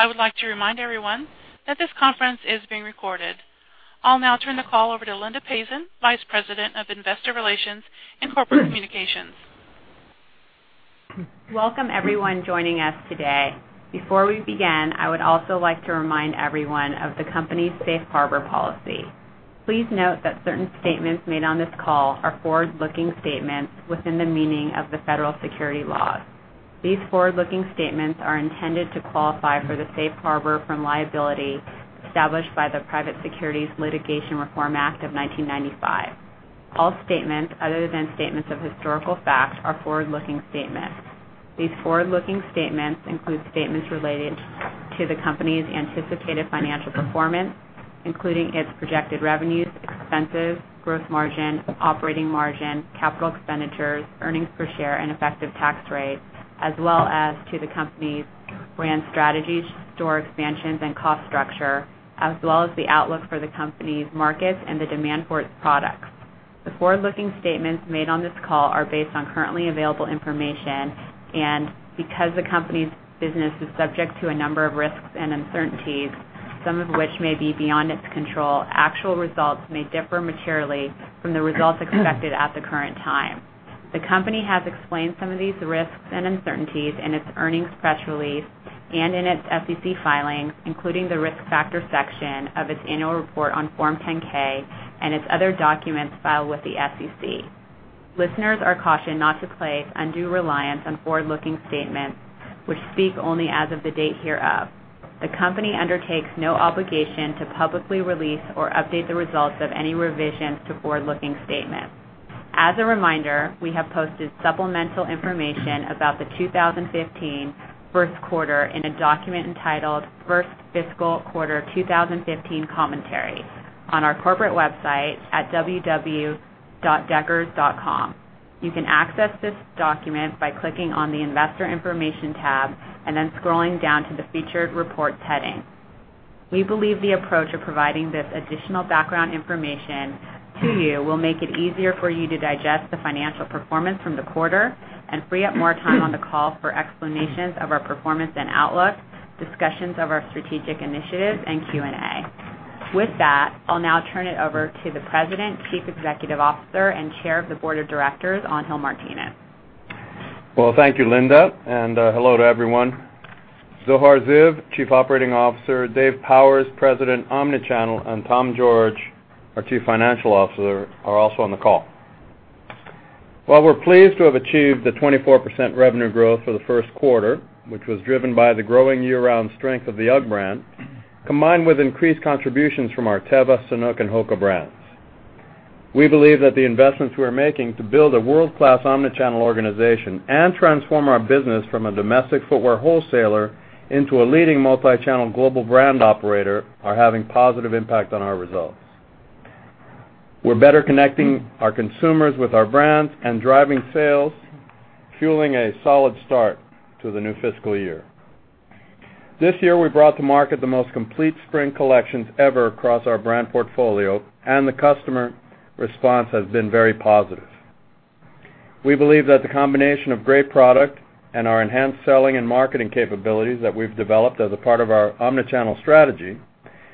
I would like to remind everyone that this conference is being recorded. I'll now turn the call over to Linda Pazin, Vice President of Investor Relations and Corporate Communications. Welcome everyone joining us today. Before we begin, I would also like to remind everyone of the company's safe harbor policy. Please note that certain statements made on this call are forward-looking statements within the meaning of the federal securities laws. These forward-looking statements are intended to qualify for the safe harbor from liability established by the Private Securities Litigation Reform Act of 1995. All statements other than statements of historical fact are forward-looking statements. These forward-looking statements include statements related to the company's anticipated financial performance, including its projected revenues, expenses, gross margin, operating margin, capital expenditures, earnings per share, and effective tax rate, as well as to the company's brand strategies, store expansions, and cost structure, as well as the outlook for the company's markets and the demand for its products. The forward-looking statements made on this call are based on currently available information. Because the company's business is subject to a number of risks and uncertainties, some of which may be beyond its control, actual results may differ materially from the results expected at the current time. The company has explained some of these risks and uncertainties in its earnings press release and in its SEC filings, including the Risk Factor section of its annual report on Form 10-K and its other documents filed with the SEC. Listeners are cautioned not to place undue reliance on forward-looking statements which speak only as of the date hereof. The company undertakes no obligation to publicly release or update the results of any revisions to forward-looking statements. As a reminder, we have posted supplemental information about the 2015 first quarter in a document entitled First Fiscal Quarter 2015 Commentary on our corporate website at www.deckers.com. You can access this document by clicking on the Investor Information tab. Then scrolling down to the Featured Reports heading. With that, I'll now turn it over to the President, Chief Executive Officer, and Chair of the Board of Directors, Angel Martinez. Thank you, Linda, and hello to everyone. Zohar Ziv, Chief Operating Officer, Dave Powers, President, Omnichannel, and Tom George, our Chief Financial Officer, are also on the call. We're pleased to have achieved 24% revenue growth for the first quarter, which was driven by the growing year-round strength of the UGG brand, combined with increased contributions from our Teva, Sanuk, and HOKA brands. We believe that the investments we are making to build a world-class omnichannel organization and transform our business from a domestic footwear wholesaler into a leading multi-channel global brand operator are having positive impact on our results. We're better connecting our consumers with our brands and driving sales, fueling a solid start to the new fiscal year. This year, we brought to market the most complete spring collections ever across our brand portfolio, the customer response has been very positive. We believe that the combination of great product and our enhanced selling and marketing capabilities that we've developed as a part of our omnichannel strategy,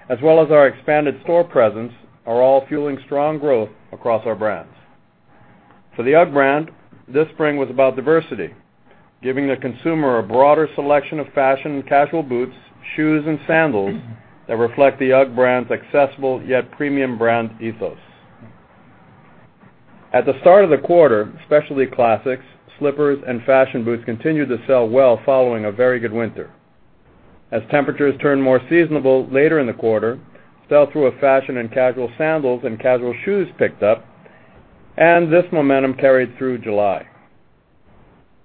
as well as our expanded store presence, are all fueling strong growth across our brands. For the UGG brand, this spring was about diversity, giving the consumer a broader selection of fashion and casual boots, shoes, and sandals that reflect the UGG brand's accessible yet premium brand ethos. At the start of the quarter, specialty classics, slippers, and fashion boots continued to sell well following a very good winter. As temperatures turned more seasonable later in the quarter, sell-through of fashion and casual sandals and casual shoes picked up, this momentum carried through July.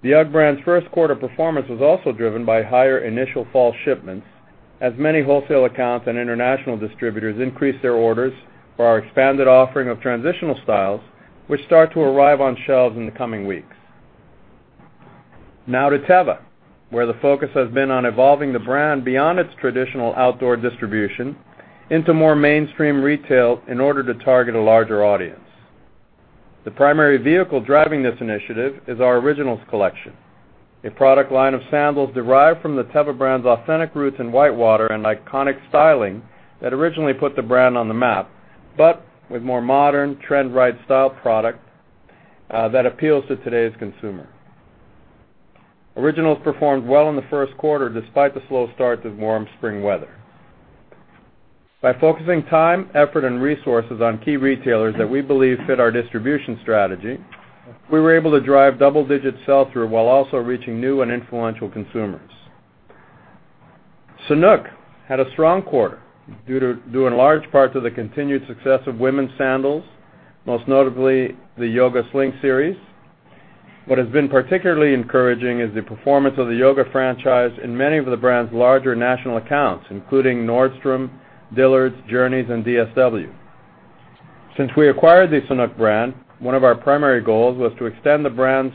The UGG brand's first quarter performance was also driven by higher initial fall shipments, as many wholesale accounts and international distributors increased their orders for our expanded offering of transitional styles, which start to arrive on shelves in the coming weeks. Now to Teva, where the focus has been on evolving the brand beyond its traditional outdoor distribution into more mainstream retail in order to target a larger audience. The primary vehicle driving this initiative is our Originals collection, a product line of sandals derived from the Teva brand's authentic roots in whitewater and iconic styling that originally put the brand on the map, but with more modern, trend-right style product that appeals to today's consumer. Originals performed well in the first quarter, despite the slow start to the warm spring weather. By focusing time, effort, and resources on key retailers that we believe fit our distribution strategy, we were able to drive double-digit sell-through while also reaching new and influential consumers. Sanuk had a strong quarter, due in large part to the continued success of women's sandals, most notably the Yoga Sling series. What has been particularly encouraging is the performance of the Yoga franchise in many of the brand's larger national accounts, including Nordstrom, Dillard's, Journeys, and DSW. Since we acquired the Sanuk brand, one of our primary goals was to extend the brand's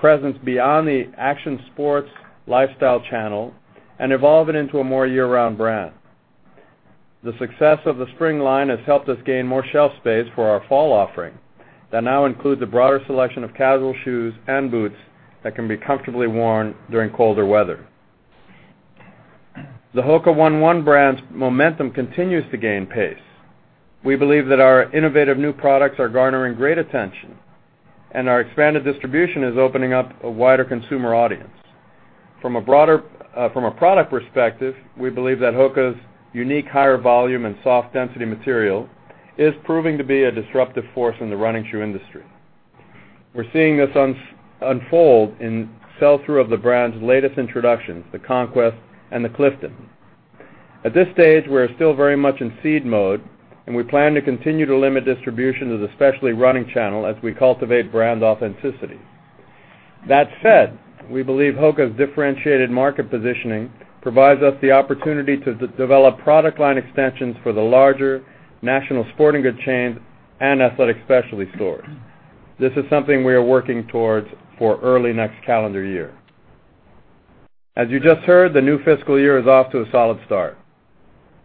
presence beyond the action sports lifestyle channel and evolve it into a more year-round brand. The success of the spring line has helped us gain more shelf space for our fall offering that now includes a broader selection of casual shoes and boots that can be comfortably worn during colder weather. The HOKA ONE ONE brand's momentum continues to gain pace. We believe that our innovative new products are garnering great attention, and our expanded distribution is opening up a wider consumer audience. From a product perspective, we believe that HOKA's unique higher volume and soft density material is proving to be a disruptive force in the running shoe industry. We're seeing this unfold in sell-through of the brand's latest introductions, the Conquest and the Clifton. At this stage, we're still very much in seed mode, and we plan to continue to limit distribution to the specialty running channel as we cultivate brand authenticity. That said, we believe HOKA's differentiated market positioning provides us the opportunity to develop product line extensions for the larger national sporting goods chains and athletic specialty stores. This is something we are working towards for early next calendar year. As you just heard, the new fiscal year is off to a solid start.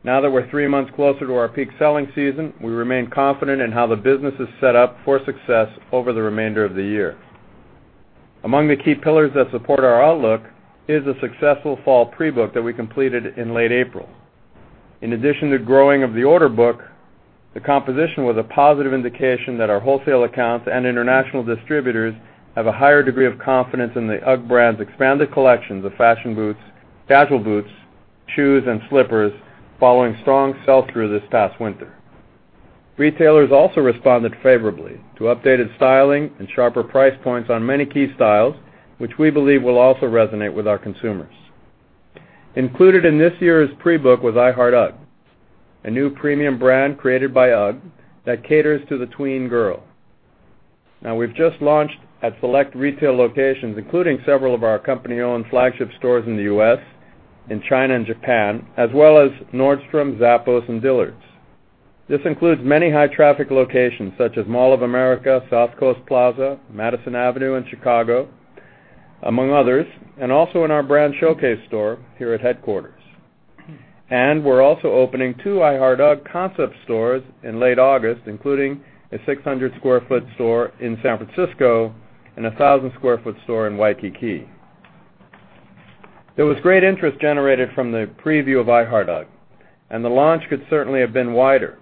Now that we're three months closer to our peak selling season, we remain confident in how the business is set up for success over the remainder of the year. Among the key pillars that support our outlook is a successful fall pre-book that we completed in late April. In addition to growing of the order book, the composition was a positive indication that our wholesale accounts and international distributors have a higher degree of confidence in the UGG brand's expanded collections of fashion boots, casual boots, shoes, and slippers following strong sell-through this past winter. Retailers also responded favorably to updated styling and sharper price points on many key styles, which we believe will also resonate with our consumers. Included in this year's pre-book was I Heart Ugg, a new premium brand created by UGG that caters to the tween girl. Now we've just launched at select retail locations, including several of our company-owned flagship stores in the U.S., in China, and Japan, as well as Nordstrom, Zappos, and Dillard's. This includes many high-traffic locations such as Mall of America, South Coast Plaza, Madison Avenue, and Chicago, among others, and also in our brand showcase store here at headquarters. We're also opening two I Heart Ugg concept stores in late August, including a 600 sq ft store in San Francisco and 1,000 sq ft store in Waikiki. There was great interest generated from the preview of I Heart Ugg, and the launch could certainly have been wider.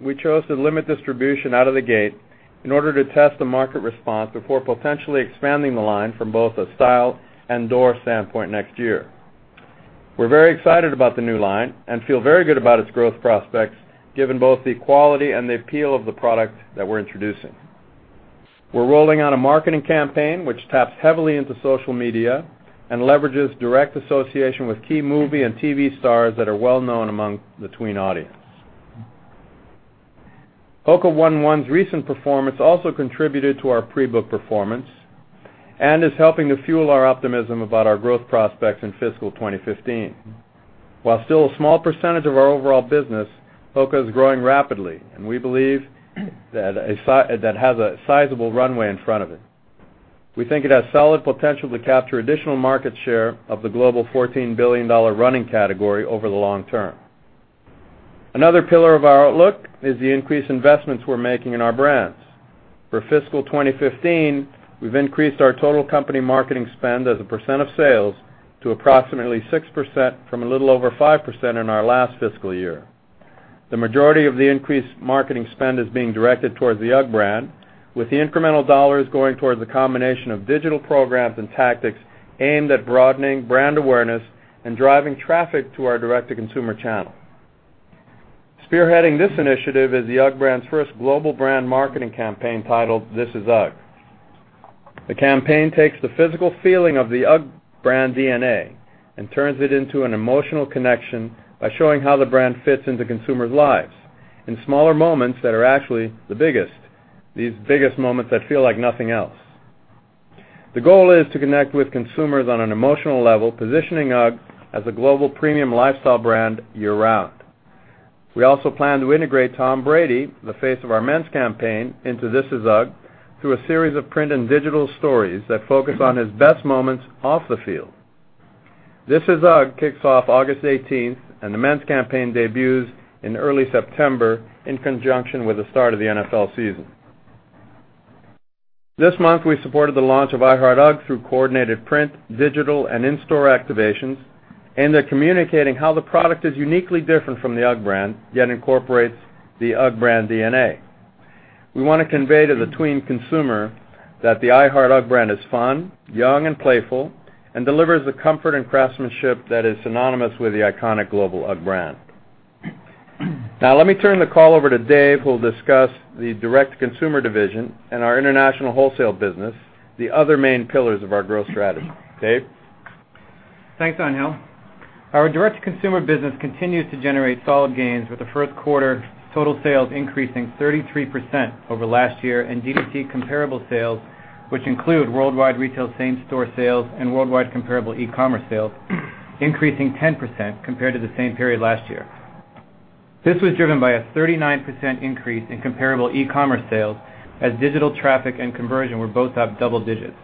We chose to limit distribution out of the gate in order to test the market response before potentially expanding the line from both a style and door standpoint next year. We're very excited about the new line and feel very good about its growth prospects, given both the quality and the appeal of the product that we're introducing. We're rolling out a marketing campaign which taps heavily into social media and leverages direct association with key movie and TV stars that are well-known among the tween audience. HOKA ONE ONE's recent performance also contributed to our pre-book performance and is helping to fuel our optimism about our growth prospects in fiscal 2015. While still a small percentage of our overall business, HOKA is growing rapidly, and we believe that has a sizable runway in front of it. We think it has solid potential to capture additional market share of the global $14 billion running category over the long term. Another pillar of our outlook is the increased investments we're making in our brands. For fiscal 2015, we've increased our total company marketing spend as a percent of sales to approximately 6% from a little over 5% in our last fiscal year. The majority of the increased marketing spend is being directed towards the UGG brand, with the incremental dollars going towards a combination of digital programs and tactics aimed at broadening brand awareness and driving traffic to our direct-to-consumer channel. Spearheading this initiative is the UGG brand's first global brand marketing campaign titled This Is UGG. The campaign takes the physical feeling of the UGG brand DNA and turns it into an emotional connection by showing how the brand fits into consumers' lives in smaller moments that are actually the biggest. These biggest moments that feel like nothing else. The goal is to connect with consumers on an emotional level, positioning UGG as a global premium lifestyle brand year-round. We also plan to integrate Tom Brady, the face of our men's campaign, into This Is UGG through a series of print and digital stories that focus on his best moments off the field. This Is UGG kicks off August 18th, the men's campaign debuts in early September in conjunction with the start of the NFL season. This month, we supported the launch of I Heart UGG through coordinated print, digital, and in-store activations, they're communicating how the product is uniquely different from the UGG brand, yet incorporates the UGG brand DNA. We want to convey to the tween consumer that the I Heart UGG brand is fun, young, and playful, delivers the comfort and craftsmanship that is synonymous with the iconic global UGG brand. Let me turn the call over to Dave, who will discuss the direct-to-consumer division and our international wholesale business, the other main pillars of our growth strategy. Dave? Thanks, Angel. Our direct-to-consumer business continues to generate solid gains with the first quarter total sales increasing 33% over last year, D2C comparable sales, which include worldwide retail same-store sales and worldwide comparable e-commerce sales, increasing 10% compared to the same period last year. This was driven by a 39% increase in comparable e-commerce sales as digital traffic and conversion were both up double digits.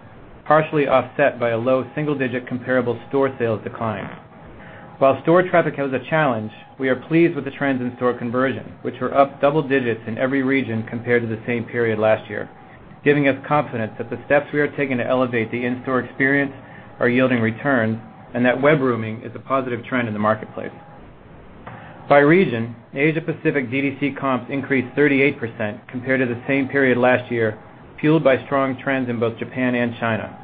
Partially offset by a low single-digit comparable store sales decline. While store traffic was a challenge, we are pleased with the trends in store conversion, which were up double digits in every region compared to the same period last year, giving us confidence that the steps we are taking to elevate the in-store experience are yielding returns, that web rooming is a positive trend in the marketplace. By region, Asia Pacific D2C comps increased 38% compared to the same period last year, fueled by strong trends in both Japan and China.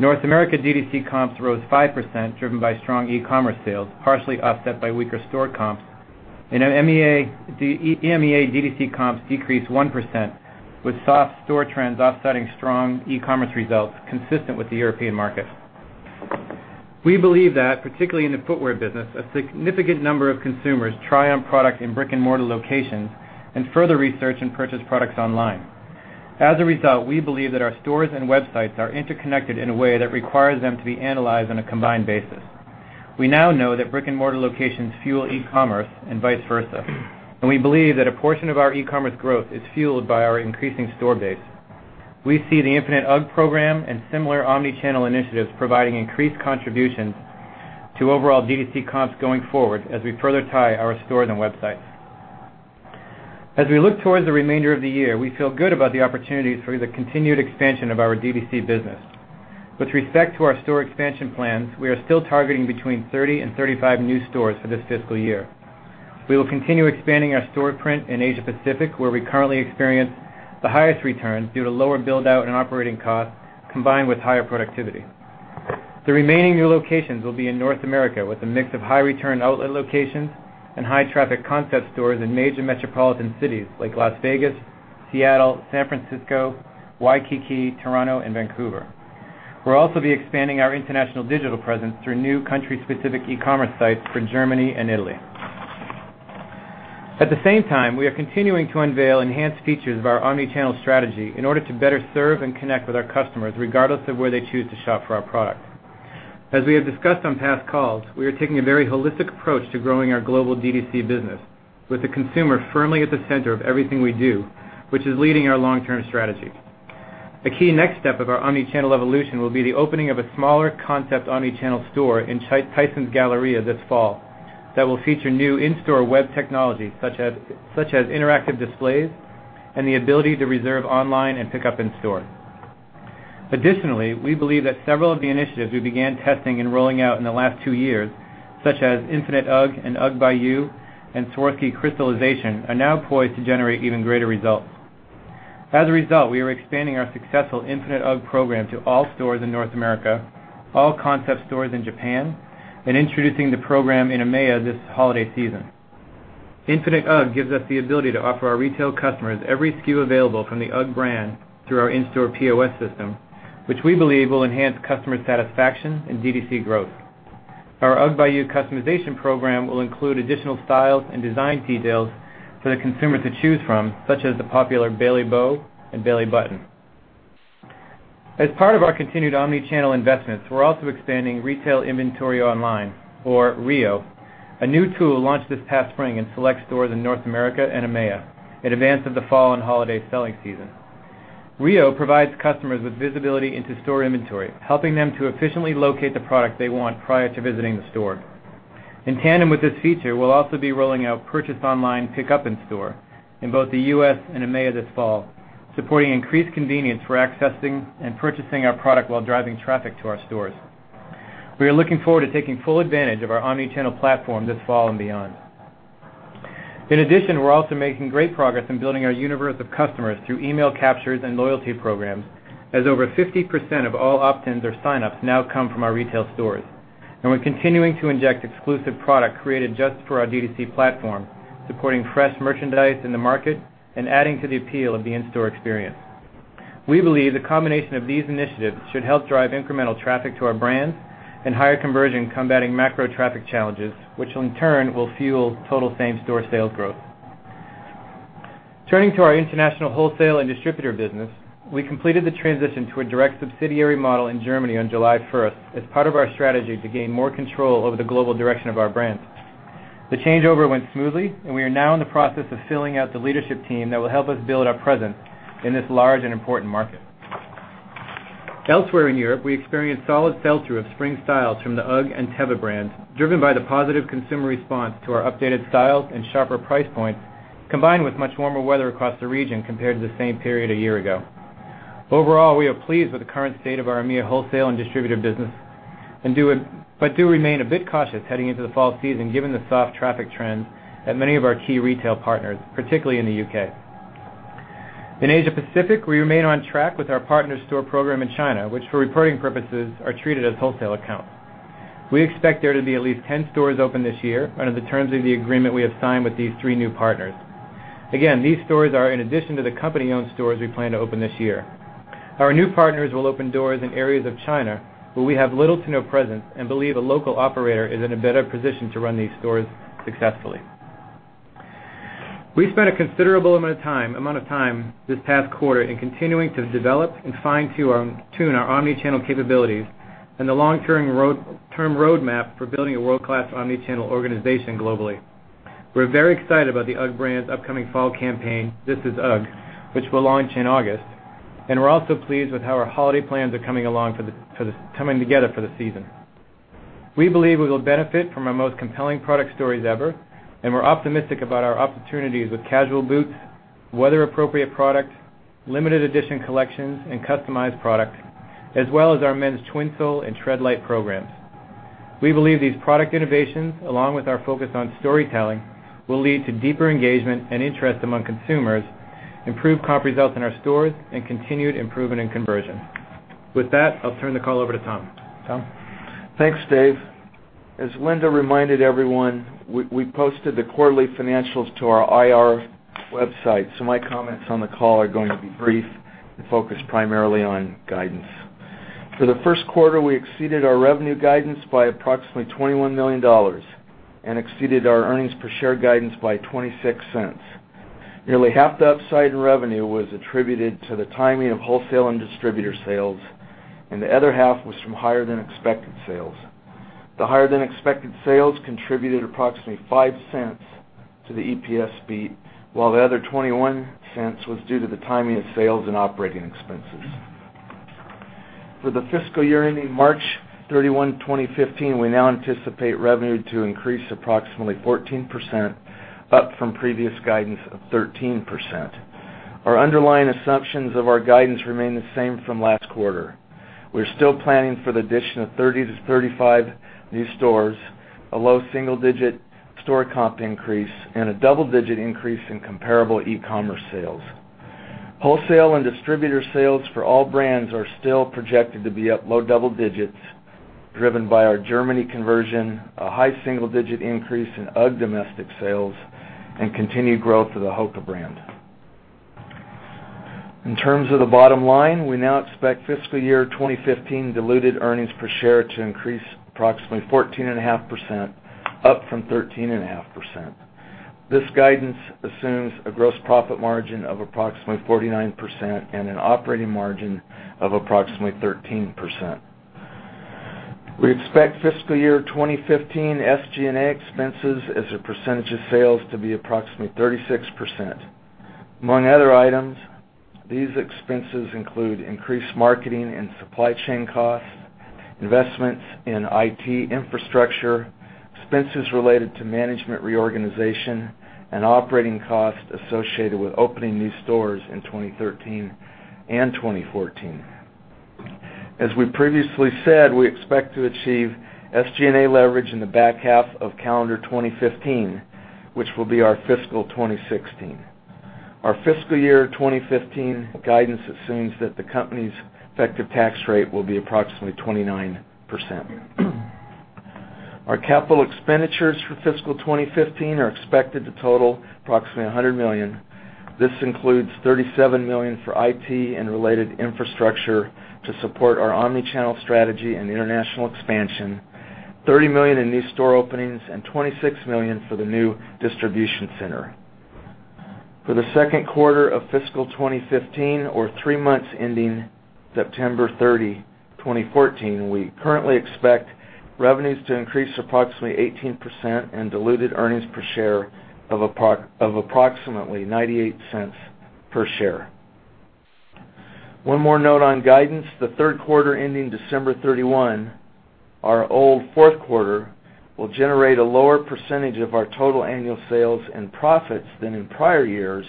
North America D2C comps rose 5%, driven by strong e-commerce sales, partially offset by weaker store comps. In EMEA, D2C comps decreased 1%, with soft store trends offsetting strong e-commerce results consistent with the European market. We believe that, particularly in the footwear business, a significant number of consumers try on product in brick-and-mortar locations and further research and purchase products online. As a result, we believe that our stores and websites are interconnected in a way that requires them to be analyzed on a combined basis. We now know that brick-and-mortar locations fuel e-commerce and vice versa, and we believe that a portion of our e-commerce growth is fueled by our increasing store base. We see the Infinite UGG program and similar omni-channel initiatives providing increased contributions to overall D2C comps going forward as we further tie our stores and websites. As we look towards the remainder of the year, we feel good about the opportunities for the continued expansion of our D2C business. With respect to our store expansion plans, we are still targeting between 30 and 35 new stores for this fiscal year. We will continue expanding our store print in Asia Pacific, where we currently experience the highest returns due to lower build-out and operating costs, combined with higher productivity. The remaining new locations will be in North America with a mix of high-return outlet locations and high-traffic concept stores in major metropolitan cities like Las Vegas, Seattle, San Francisco, Waikiki, Toronto and Vancouver. We'll also be expanding our international digital presence through new country-specific e-commerce sites for Germany and Italy. At the same time, we are continuing to unveil enhanced features of our omni-channel strategy in order to better serve and connect with our customers, regardless of where they choose to shop for our products. As we have discussed on past calls, we are taking a very holistic approach to growing our global D2C business with the consumer firmly at the center of everything we do, which is leading our long-term strategy. The key next step of our omni-channel evolution will be the opening of a smaller concept omni-channel store in Tysons Galleria this fall that will feature new in-store web technology such as interactive displays and the ability to reserve online and pick up in store. Additionally, we believe that several of the initiatives we began testing and rolling out in the last two years, such as Infinite UGG and UGG by You and Swarovski Crystallization, are now poised to generate even greater results. As a result, we are expanding our successful Infinite UGG program to all stores in North America, all concept stores in Japan, and introducing the program in EMEA this holiday season. Infinite UGG gives us the ability to offer our retail customers every SKU available from the UGG brand through our in-store POS system, which we believe will enhance customer satisfaction and D2C growth. Our UGG by You customization program will include additional styles and design details for the consumer to choose from, such as the popular Bailey Bow and Bailey Button. As part of our continued omni-channel investments, we are also expanding retail inventory online, or RIO, a new tool launched this past spring in select stores in North America and EMEA in advance of the fall and holiday selling season. RIO provides customers with visibility into store inventory, helping them to efficiently locate the product they want prior to visiting the store. In tandem with this feature, we will also be rolling out purchase online pick up in store in both the U.S. and EMEA this fall, supporting increased convenience for accessing and purchasing our product while driving traffic to our stores. We are looking forward to taking full advantage of our omni-channel platform this fall and beyond. In addition, we are also making great progress in building our universe of customers through email captures and loyalty programs, as over 50% of all opt-ins or sign-ups now come from our retail stores. We are continuing to inject exclusive product created just for our D2C platform, supporting fresh merchandise in the market and adding to the appeal of the in-store experience. We believe the combination of these initiatives should help drive incremental traffic to our brands and higher conversion, combating macro traffic challenges, which in turn will fuel total same-store sales growth. Turning to our international wholesale and distributor business, we completed the transition to a direct subsidiary model in Germany on July 1st as part of our strategy to gain more control over the global direction of our brands. The changeover went smoothly, and we are now in the process of filling out the leadership team that will help us build our presence in this large and important market. Elsewhere in Europe, we experienced solid sell-through of spring styles from the UGG and Teva brands, driven by the positive consumer response to our updated styles and sharper price points, combined with much warmer weather across the region compared to the same period a year ago. Overall, we are pleased with the current state of our EMEA wholesale and distributor business, but do remain a bit cautious heading into the fall season given the soft traffic trends at many of our key retail partners, particularly in the U.K. In Asia Pacific, we remain on track with our partner store program in China, which for reporting purposes are treated as wholesale accounts. We expect there to be at least 10 stores open this year under the terms of the agreement we have signed with these three new partners. Again, these stores are in addition to the company-owned stores we plan to open this year. Our new partners will open doors in areas of China where we have little to no presence and believe a local operator is in a better position to run these stores successfully. We spent a considerable amount of time this past quarter in continuing to develop and fine-tune our omni-channel capabilities and the long-term roadmap for building a world-class omni-channel organization globally. We are very excited about the UGG brand's upcoming fall campaign, This Is UGG, which will launch in August, and we are also pleased with how our holiday plans are coming together for the season. We believe we will benefit from our most compelling product stories ever, and we are optimistic about our opportunities with casual boots, weather-appropriate products, limited edition collections, and customized products, as well as our men's Twinsole and Treadlite programs. We believe these product innovations, along with our focus on storytelling, will lead to deeper engagement and interest among consumers, improve comp results in our stores, and continued improvement in conversion. With that, I'll turn the call over to Tom. Tom? Thanks, Dave. As Linda reminded everyone, we posted the quarterly financials to our IR website, my comments on the call are going to be brief and focused primarily on guidance. For the first quarter, we exceeded our revenue guidance by approximately $21 million and exceeded our earnings per share guidance by $0.26. Nearly half the upside in revenue was attributed to the timing of wholesale and distributor sales, and the other half was from higher-than-expected sales. The higher-than-expected sales contributed approximately $0.05 to the EPS beat, while the other $0.21 was due to the timing of sales and operating expenses. For the fiscal year ending March 31, 2015, we now anticipate revenue to increase approximately 14%, up from previous guidance of 13%. Our underlying assumptions of our guidance remain the same from last quarter. We're still planning for the addition of 30 to 35 new stores, a low single-digit store comp increase, and a double-digit increase in comparable e-commerce sales. Wholesale and distributor sales for all brands are still projected to be up low double digits, driven by our Germany conversion, a high single-digit increase in UGG domestic sales, and continued growth of the HOKA brand. In terms of the bottom line, we now expect fiscal year 2015 diluted earnings per share to increase approximately 14.5%, up from 13.5%. This guidance assumes a gross profit margin of approximately 49% and an operating margin of approximately 13%. We expect fiscal year 2015 SG&A expenses as a percentage of sales to be approximately 36%. Among other items, these expenses include increased marketing and supply chain costs, investments in IT infrastructure, expenses related to management reorganization, and operating costs associated with opening new stores in 2013 and 2014. As we previously said, we expect to achieve SG&A leverage in the back half of calendar 2015, which will be our fiscal year 2016. Our fiscal year 2015 guidance assumes that the company's effective tax rate will be approximately 29%. Our capital expenditures for fiscal year 2015 are expected to total approximately $100 million. This includes $37 million for IT and related infrastructure to support our omni-channel strategy and international expansion, $30 million in new store openings, and $26 million for the new distribution center. For the second quarter of fiscal year 2015, or three months ending September 30, 2014, we currently expect revenues to increase approximately 18% and diluted earnings per share of approximately $0.98 per share. One more note on guidance. The third quarter ending December 31, our old fourth quarter, will generate a lower percentage of our total annual sales and profits than in prior years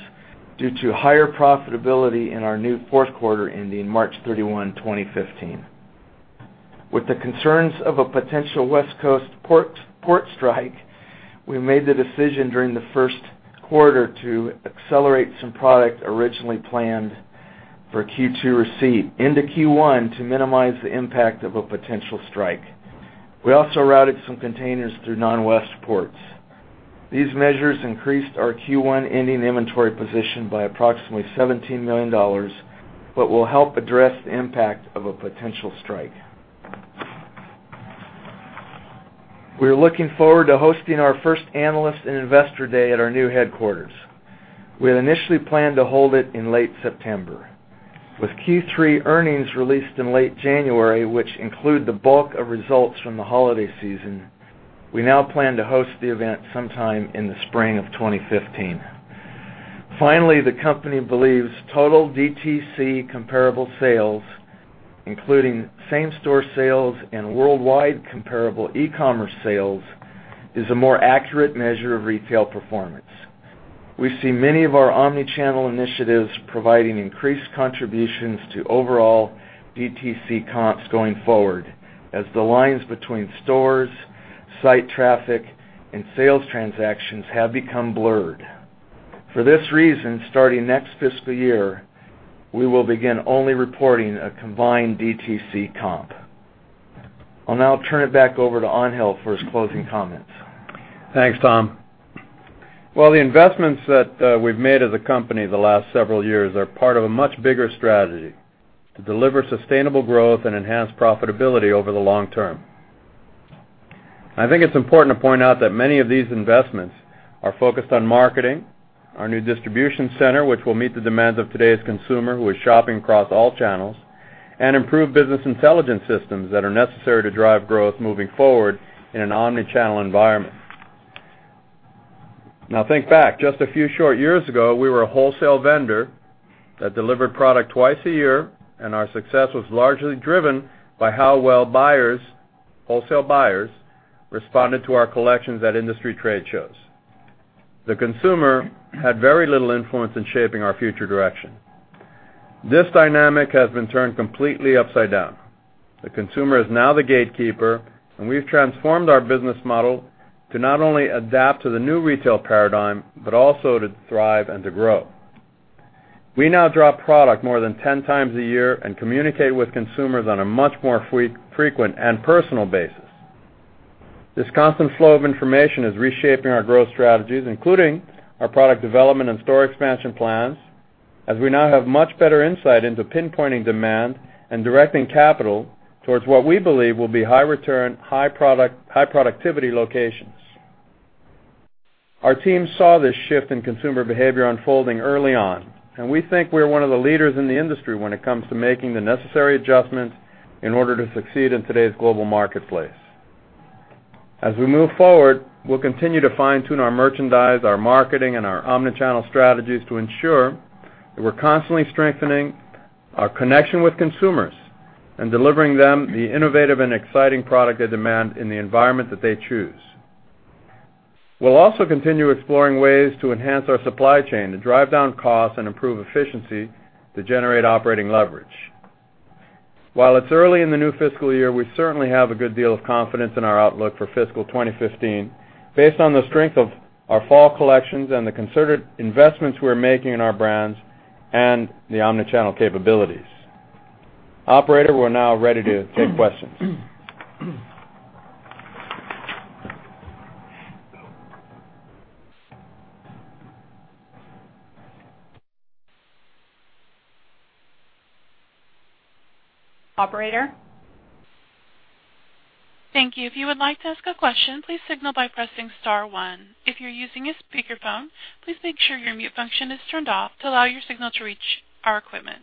due to higher profitability in our new fourth quarter ending March 31, 2015. With the concerns of a potential West Coast port strike, we made the decision during the first quarter to accelerate some product originally planned for Q2 receipt into Q1 to minimize the impact of a potential strike. We also routed some containers through non-West ports. These measures increased our Q1 ending inventory position by approximately $17 million but will help address the impact of a potential strike. We are looking forward to hosting our first analyst and investor day at our new headquarters. We had initially planned to hold it in late September. With Q3 earnings released in late January, which include the bulk of results from the holiday season, we now plan to host the event sometime in the spring of 2015. Finally, the company believes total DTC comparable sales, including same-store sales and worldwide comparable e-commerce sales, is a more accurate measure of retail performance. We see many of our omni-channel initiatives providing increased contributions to overall DTC comps going forward as the lines between stores, site traffic, and sales transactions have become blurred. For this reason, starting next fiscal year, we will begin only reporting a combined DTC comp. I'll now turn it back over to Angel for his closing comments. Thanks, Tom. The investments that we've made as a company the last several years are part of a much bigger strategy to deliver sustainable growth and enhance profitability over the long term. I think it's important to point out that many of these investments are focused on marketing, our new distribution center, which will meet the demands of today's consumer who is shopping across all channels and improve business intelligence systems that are necessary to drive growth moving forward in an omni-channel environment. Now think back, just a few short years ago, we were a wholesale vendor that delivered product twice a year, and our success was largely driven by how well buyers, wholesale buyers, responded to our collections at industry trade shows. The consumer had very little influence in shaping our future direction. This dynamic has been turned completely upside down. The consumer is now the gatekeeper, and we've transformed our business model to not only adapt to the new retail paradigm, but also to thrive and to grow. We now drop product more than 10 times a year and communicate with consumers on a much more frequent and personal basis. This constant flow of information is reshaping our growth strategies, including our product development and store expansion plans, as we now have much better insight into pinpointing demand and directing capital towards what we believe will be high return, high productivity locations. Our team saw this shift in consumer behavior unfolding early on, and we think we're one of the leaders in the industry when it comes to making the necessary adjustments in order to succeed in today's global marketplace. As we move forward, we'll continue to fine-tune our merchandise, our marketing, and our omni-channel strategies to ensure that we're constantly strengthening our connection with consumers and delivering them the innovative and exciting product they demand in the environment that they choose. We'll also continue exploring ways to enhance our supply chain to drive down costs and improve efficiency to generate operating leverage. While it's early in the new fiscal year, we certainly have a good deal of confidence in our outlook for fiscal 2015 based on the strength of our fall collections and the concerted investments we're making in our brands and the omni-channel capabilities. Operator, we're now ready to take questions. Operator? Thank you. If you would like to ask a question, please signal by pressing *1. If you're using a speakerphone, please make sure your mute function is turned off to allow your signal to reach our equipment.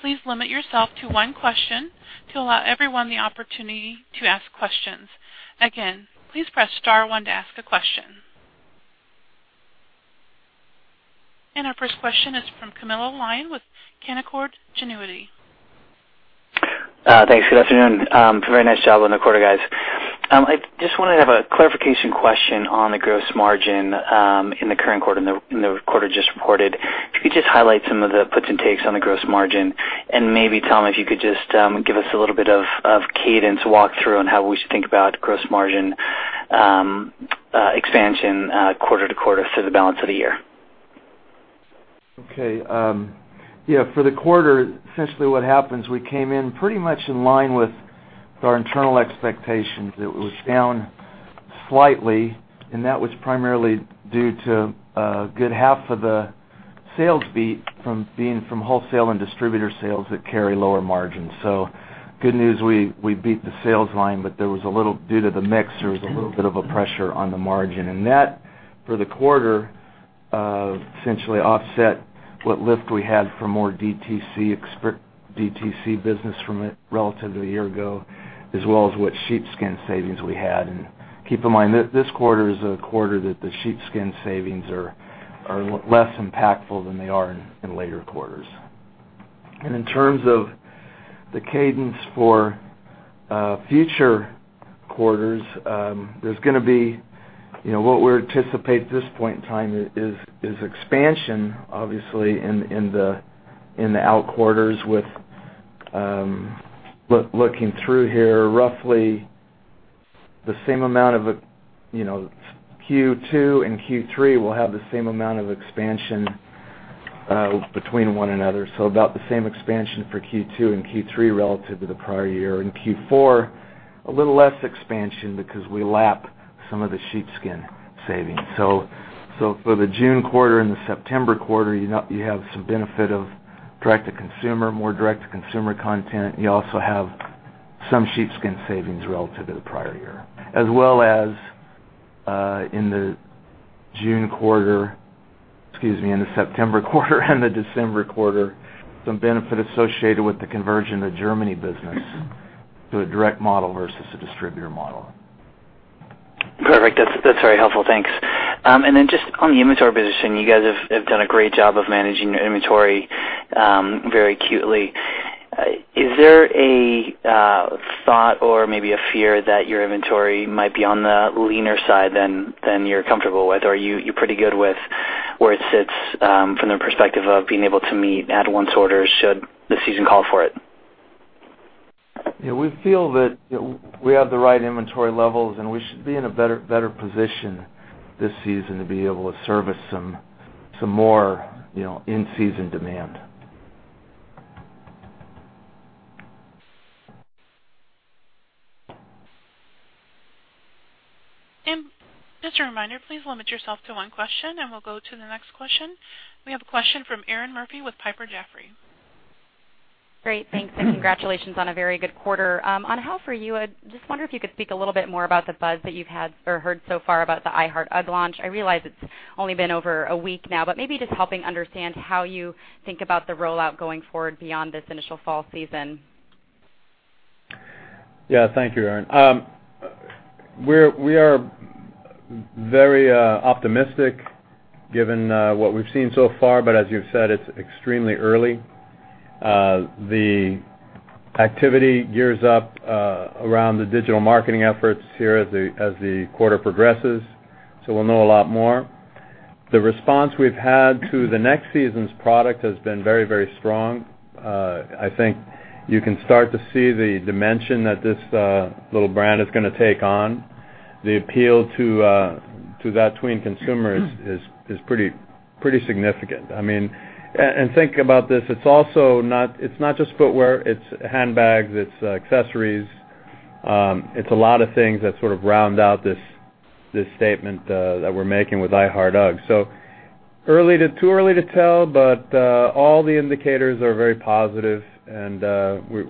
Please limit yourself to one question to allow everyone the opportunity to ask questions. Again, please press *1 to ask a question. Our first question is from Camilo Lyon with Canaccord Genuity. Thanks. Good afternoon. Very nice job on the quarter, guys. I just wanted to have a clarification question on the gross margin in the current quarter, in the quarter just reported. If you could just highlight some of the puts and takes on the gross margin and maybe, Tom, if you could just give us a little bit of cadence walkthrough on how we should think about gross margin expansion quarter-to-quarter through the balance of the year. Okay. For the quarter, essentially what happens, we came in pretty much in line with our internal expectations. It was down slightly, that was primarily due to a good half of the sales beat being from wholesale and distributor sales that carry lower margins. Good news, we beat the sales line, due to the mix, there was a little bit of a pressure on the margin. That, for the quarter, essentially offset what lift we had for more DTC business from it relative to a year ago, as well as what sheepskin savings we had. Keep in mind, this quarter is a quarter that the sheepskin savings are less impactful than they are in later quarters. In terms of the cadence for future quarters, what we anticipate at this point in time is expansion, obviously, in the out quarters with looking through here, roughly Q2 and Q3 will have the same amount of expansion between one another. About the same expansion for Q2 and Q3 relative to the prior year. In Q4, a little less expansion because we lap some of the sheepskin savings. For the June quarter and the September quarter, you have some benefit of more direct-to-consumer content. You also have some sheepskin savings relative to the prior year, as well as in the September quarter and the December quarter, some benefit associated with the conversion of Germany business to a direct model versus a distributor model. Perfect. That's very helpful. Thanks. Then just on the inventory position, you guys have done a great job of managing your inventory very acutely. Is there a thought or maybe a fear that your inventory might be on the leaner side than you're comfortable with? Or are you pretty good with where it sits from the perspective of being able to meet at-once orders should the season call for it? We feel that we have the right inventory levels, we should be in a better position this season to be able to service some more in-season demand. Just a reminder, please limit yourself to one question, we'll go to the next question. We have a question from Erinn Murphy with Piper Jaffray. Great. Thanks, and congratulations on a very good quarter. On UGG, I just wonder if you could speak a little bit more about the buzz that you've had or heard so far about the I Heart Ugg launch. I realize it's only been over a week now, but maybe just helping understand how you think about the rollout going forward beyond this initial fall season. Thank you, Erinn. We are very optimistic given what we've seen so far, but as you've said, it's extremely early. The activity gears up around the digital marketing efforts here as the quarter progresses, so we'll know a lot more. The response we've had to the next season's product has been very strong. I think you can start to see the dimension that this little brand is going to take on. The appeal to that tween consumer is pretty significant. Think about this, it's not just footwear, it's handbags, it's accessories. It's a lot of things that sort of round out this statement that we're making with I Heart Ugg. Too early to tell, but all the indicators are very positive, and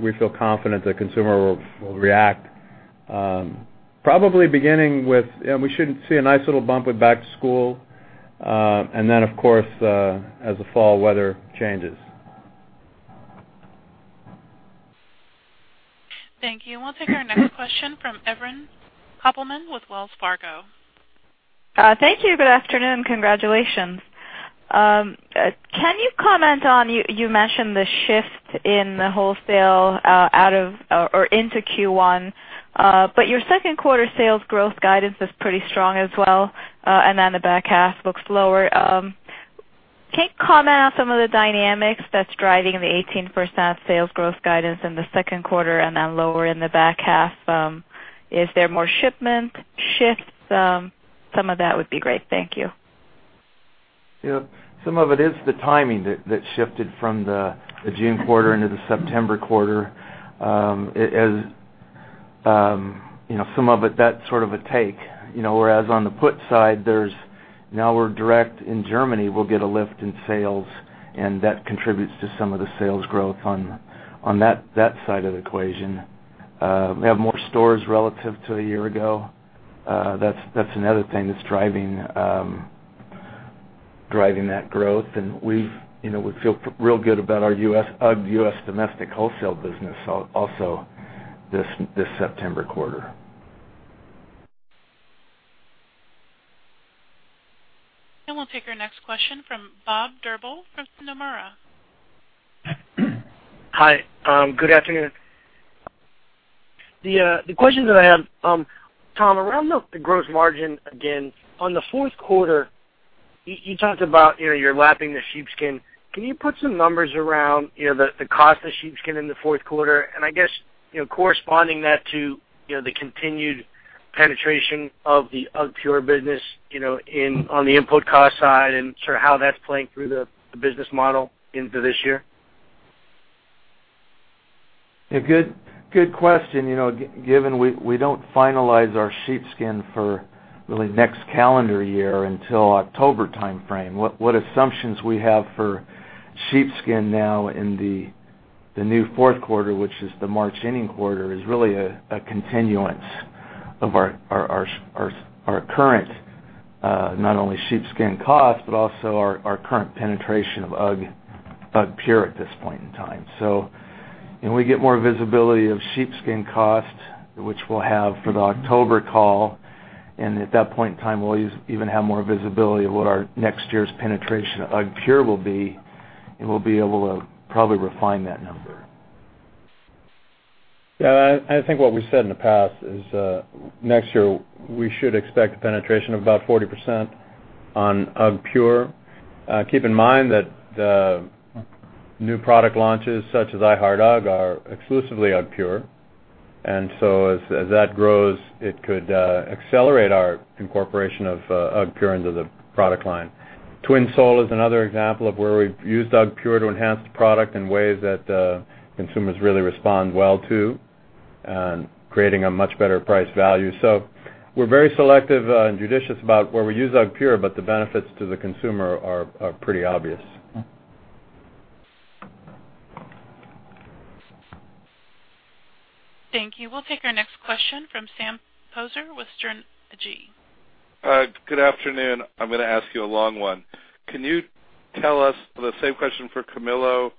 we feel confident the consumer will react. We should see a nice little bump with back to school, and then, of course, as the fall weather changes. Thank you. We'll take our next question from Evren Kopelman with Wells Fargo. Thank you. Good afternoon. Congratulations. Can you comment on, you mentioned the shift in the wholesale into Q1, but your second quarter sales growth guidance is pretty strong as well, and then the back half looks lower. Can you comment on some of the dynamics that's driving the 18% sales growth guidance in the second quarter and then lower in the back half? Is there more shipment shifts? Some of that would be great. Thank you. Some of it is the timing that shifted from the June quarter into the September quarter. Some of it, that's sort of a take. Whereas on the put side, now we're direct in Germany, we'll get a lift in sales, and that contributes to some of the sales growth on that side of the equation. We have more stores relative to a year ago. That's another thing that's driving that growth. We feel real good about our UGG U.S. domestic wholesale business also this September quarter. We'll take our next question from Robert Drbul from Nomura. Hi. Good afternoon. The question that I have, Tom, around the gross margin again, on the fourth quarter, you talked about you're lapping the sheepskin. Can you put some numbers around the cost of sheepskin in the fourth quarter, and I guess, corresponding that to the continued penetration of the UGGpure business on the input cost side and sort of how that's playing through the business model into this year? Good question. Given we don't finalize our sheepskin for really next calendar year until October timeframe, what assumptions we have for sheepskin now in the new fourth quarter, which is the March inning quarter, is really a continuance of our current, not only sheepskin cost, but also our current penetration of UGGpure at this point in time. We get more visibility of sheepskin cost, which we'll have for the October call, at that point in time, we'll even have more visibility of what our next year's penetration of UGGpure will be, we'll be able to probably refine that number. I think what we've said in the past is, next year, we should expect a penetration of about 40% on UGGpure. Keep in mind that the new product launches, such as I Heart Ugg, are exclusively UGGpure. As that grows, it could accelerate our incorporation of UGGpure into the product line. Twinsole is another example of where we've used UGGpure to enhance the product in ways that consumers really respond well to, and creating a much better price value. We're very selective and judicious about where we use UGGpure, but the benefits to the consumer are pretty obvious. Thank you. We'll take our next question from Sam Poser with Sterne Agee. Good afternoon. I'm going to ask you a long one. Can you tell us the same question for Camilo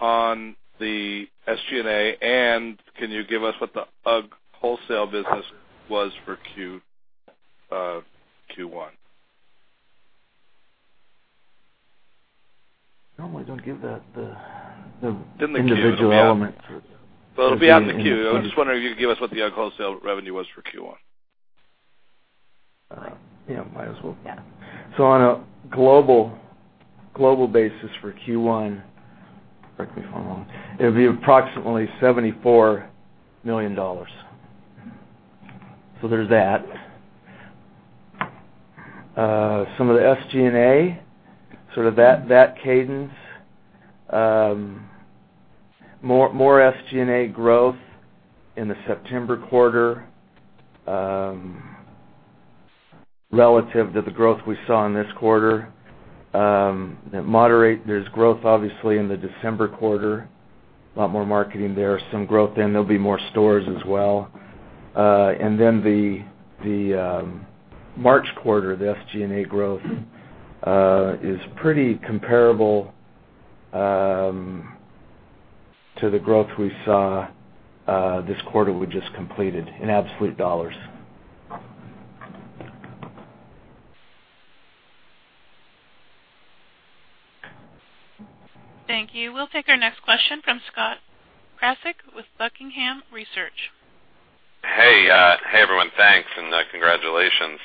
on the SG&A, and can you give us what the UGG wholesale business was for Q1? No, I don't give the individual elements. Well, it'll be out in the Q. I was just wondering if you could give us what the UGG wholesale revenue was for Q1. Yeah, might as well. Yeah. On a global basis for Q1, correct me if I'm wrong, it'll be approximately $74 million. There's that. Some of the SG&A, sort of that cadence, more SG&A growth in the September quarter relative to the growth we saw in this quarter. There's growth, obviously, in the December quarter. A lot more marketing there. Some growth there'll be more stores as well. The March quarter, the SG&A growth is pretty comparable. To the growth we saw this quarter we just completed in absolute dollars. Thank you. We'll take our next question from Scott Krasik with Buckingham Research. Hey everyone. Thanks and congratulations.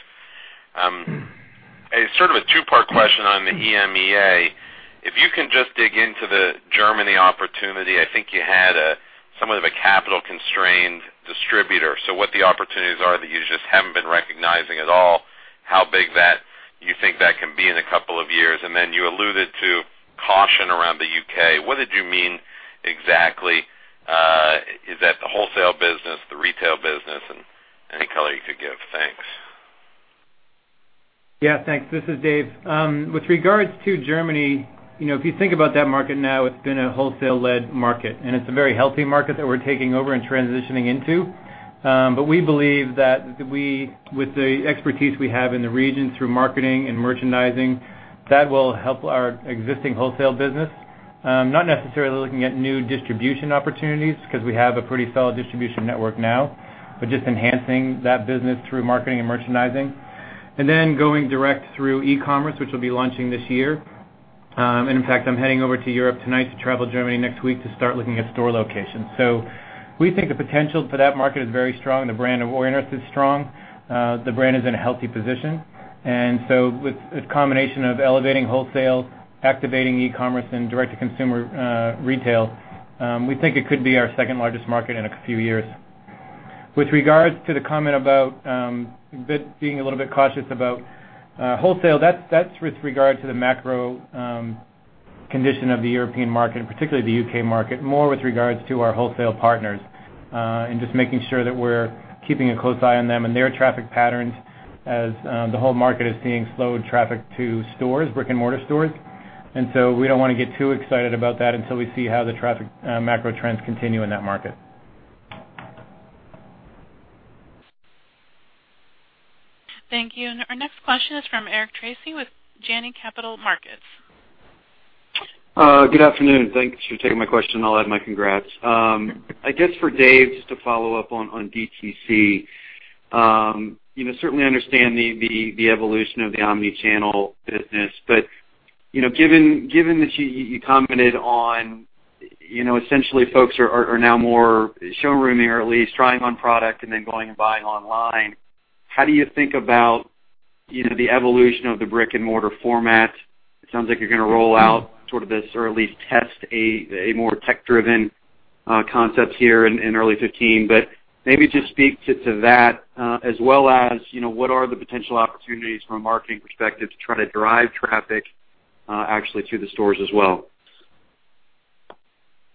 A sort of a two-part question on the EMEA. If you can just dig into the Germany opportunity. I think you had somewhat of a capital-constrained distributor. What the opportunities are that you just haven't been recognizing at all, how big you think that can be in a couple of years. You alluded to caution around the U.K. What did you mean exactly? Is that the wholesale business, the retail business, and any color you could give? Thanks. Yeah. Thanks. This is Dave. With regards to Germany, if you think about that market now, it's been a wholesale-led market, and it's a very healthy market that we're taking over and transitioning into. We believe that with the expertise we have in the region through marketing and merchandising, that will help our existing wholesale business. Not necessarily looking at new distribution opportunities because we have a pretty solid distribution network now, but just enhancing that business through marketing and merchandising. Going direct through e-commerce, which we'll be launching this year. In fact, I'm heading over to Europe tonight to travel to Germany next week to start looking at store locations. We think the potential for that market is very strong. The brand awareness is strong. The brand is in a healthy position. With the combination of elevating wholesale, activating e-commerce, and direct-to-consumer retail, we think it could be our second-largest market in a few years. With regards to the comment about being a little bit cautious about wholesale, that's with regard to the macro condition of the European market, and particularly the U.K. market, more with regards to our wholesale partners, and just making sure that we're keeping a close eye on them and their traffic patterns as the whole market is seeing slowed traffic to stores, brick and mortar stores. We don't want to get too excited about that until we see how the traffic macro trends continue in that market. Thank you. Our next question is from Eric Tracy with Janney Capital Markets. Good afternoon. Thanks for taking my question, and I'll add my congrats. I guess for Dave, just to follow up on DTC. Certainly understand the evolution of the omni-channel business. Given that you commented on essentially folks are now more showrooming or at least trying on product and then going and buying online, how do you think about the evolution of the brick and mortar format? It sounds like you're going to roll out sort of this, or at least test a more tech-driven concept here in early 2015. Maybe just speak to that, as well as what are the potential opportunities from a marketing perspective to try to drive traffic actually to the stores as well?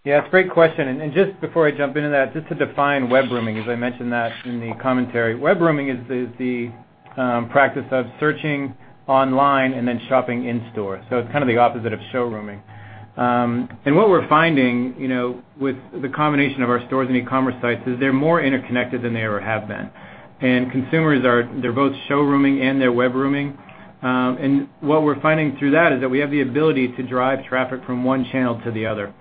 Yeah, it's a great question. Just before I jump into that, just to define webrooming, as I mentioned that in the commentary. Webrooming is the practice of searching online and then shopping in store. It's kind of the opposite of showrooming. What we're finding, with the combination of our stores and e-commerce sites, is they're more interconnected than they ever have been. Consumers are both showrooming and they're webrooming. What we're finding through that is that we have the ability to drive traffic from one channel to the other.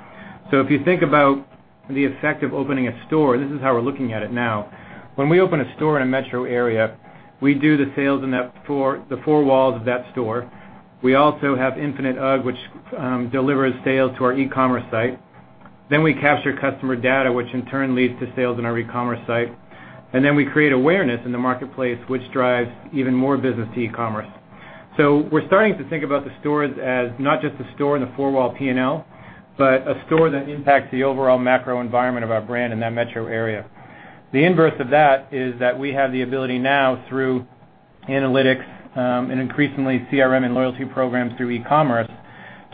If you think about the effect of opening a store, this is how we're looking at it now. When we open a store in a metro area, we do the sales in the four walls of that store. We also have Infinite UGG, which delivers sales to our e-commerce site. We capture customer data, which in turn leads to sales on our e-commerce site. We create awareness in the marketplace, which drives even more business to e-commerce. We're starting to think about the stores as not just a store and a four-wall P&L, but a store that impacts the overall macro environment of our brand in that metro area. The inverse of that is that we have the ability now through analytics, and increasingly CRM and loyalty programs through e-commerce,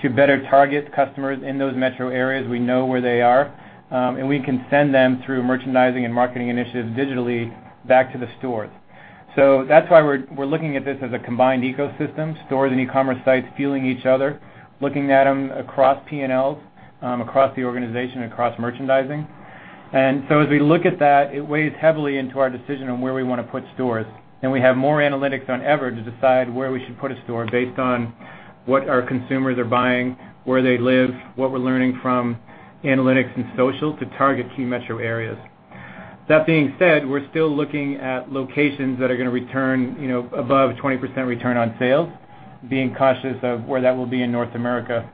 to better target customers in those metro areas. We know where they are, and we can send them through merchandising and marketing initiatives digitally back to the stores. That's why we're looking at this as a combined ecosystem, stores and e-commerce sites fueling each other, looking at them across P&Ls, across the organization, across merchandising. As we look at that, it weighs heavily into our decision on where we want to put stores. We have more analytics than ever to decide where we should put a store based on what our consumers are buying, where they live, what we're learning from analytics and social to target key metro areas. That being said, we're still looking at locations that are going to return above 20% return on sales, being cautious of where that will be in North America.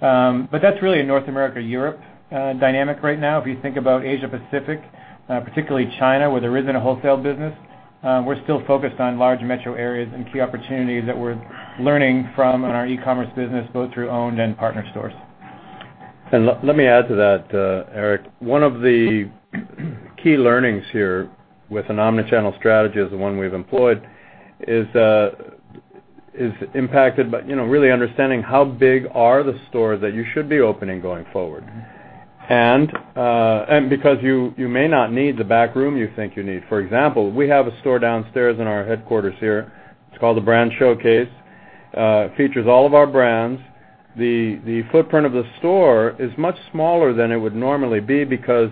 That's really a North America/Europe dynamic right now. If you think about Asia Pacific, particularly China, where there isn't a wholesale business, we're still focused on large metro areas and key opportunities that we're learning from in our e-commerce business, both through owned and partner stores. Let me add to that, Eric. One of the key learnings here with an omni-channel strategy as the one we've employed is impacted by really understanding how big are the stores that you should be opening going forward. Because you may not need the back room you think you need. For example, we have a store downstairs in our headquarters here. It's called the Brand Showcase. It features all of our brands. The footprint of the store is much smaller than it would normally be because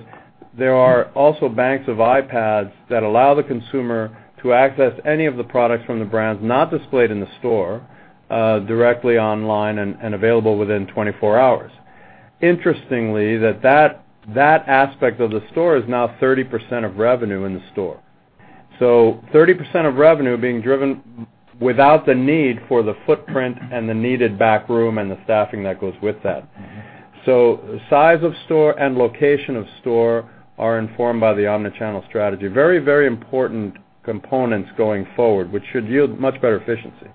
There are also banks of iPads that allow the consumer to access any of the products from the brands not displayed in the store, directly online and available within 24 hours. Interestingly, that aspect of the store is now 30% of revenue in the store. 30% of revenue being driven without the need for the footprint and the needed back room and the staffing that goes with that. Size of store and location of store are informed by the omni-channel strategy. Very important components going forward, which should yield much better efficiency.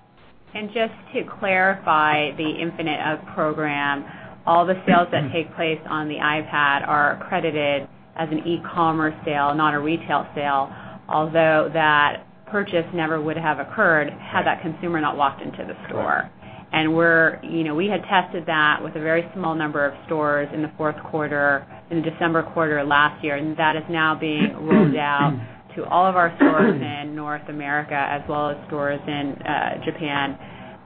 Just to clarify the Infinite UGG program, all the sales that take place on the iPad are credited as an e-commerce sale, not a retail sale, although that purchase never would have occurred had that consumer not walked into the store. We had tested that with a very small number of stores in the December quarter last year, and that is now being rolled out to all of our stores in North America, as well as stores in Japan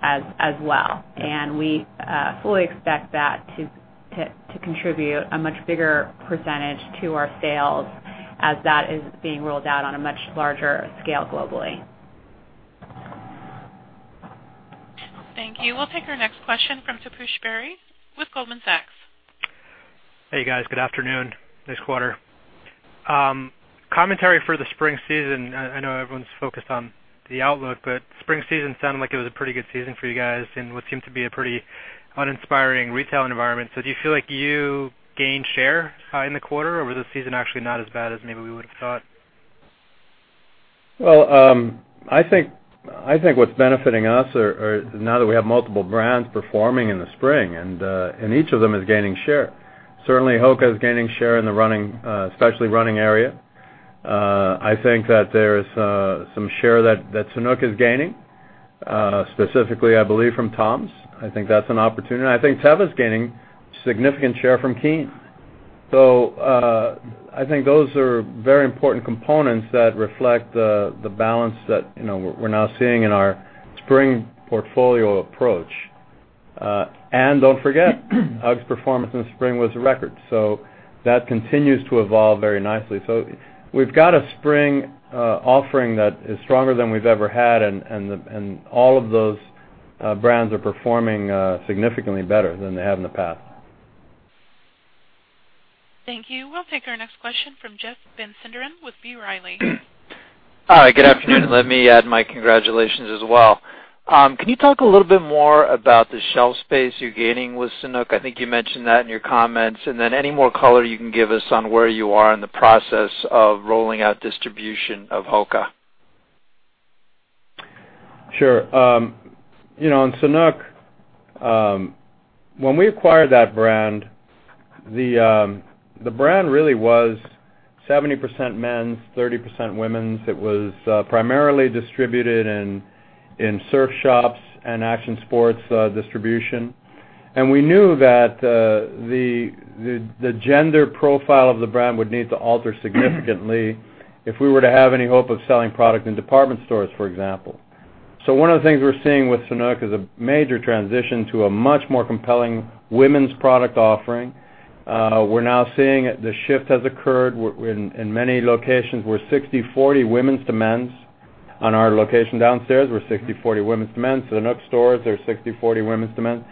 as well. We fully expect that to contribute a much bigger percentage to our sales as that is being rolled out on a much larger scale globally. Thank you. We'll take our next question from Taposh Bari with Goldman Sachs. Hey, guys. Good afternoon. Nice quarter. Commentary for the spring season, I know everyone's focused on the outlook, spring season sounded like it was a pretty good season for you guys in what seemed to be a pretty uninspiring retail environment. Do you feel like you gained share in the quarter, or was the season actually not as bad as maybe we would've thought? Well, I think what's benefiting us are now that we have multiple brands performing in the spring, each of them is gaining share. Certainly HOKA is gaining share in the specialty running area. I think that there's some share that Sanuk is gaining, specifically, I believe, from TOMS. I think that's an opportunity. I think Teva's gaining significant share from Keen. I think those are very important components that reflect the balance that we're now seeing in our spring portfolio approach. Don't forget, UGG's performance in spring was a record, that continues to evolve very nicely. We've got a spring offering that is stronger than we've ever had, and all of those brands are performing significantly better than they have in the past. Thank you. We'll take our next question from Jeff Van Sinderen with B. Riley. Hi, good afternoon. Let me add my congratulations as well. Can you talk a little bit more about the shelf space you're gaining with Sanuk? I think you mentioned that in your comments. Then any more color you can give us on where you are in the process of rolling out distribution of HOKA. Sure. On Sanuk, when we acquired that brand, the brand really was 70% men's, 30% women's. It was primarily distributed in surf shops and action sports distribution. We knew that the gender profile of the brand would need to alter significantly if we were to have any hope of selling product in department stores, for example. One of the things we're seeing with Sanuk is a major transition to a much more compelling women's product offering. We're now seeing the shift has occurred in many locations. We're 60/40 women's to men's on our location downstairs. We're 60/40 women's to men's. Sanuk stores are 60/40 women's to men's.